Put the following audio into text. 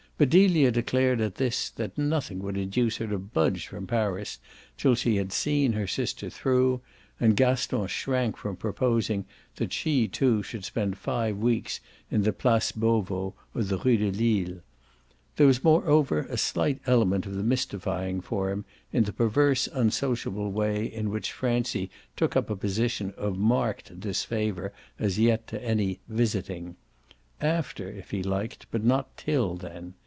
But Delia declared at this that nothing would induce her to budge from Paris till she had seen her sister through, and Gaston shrank from proposing that she too should spend five weeks in the Place Beauvau or the Rue de Lille. There was moreover a slight element of the mystifying for him in the perverse unsociable way in which Francie took up a position of marked disfavour as yet to any "visiting." AFTER, if he liked, but not till then.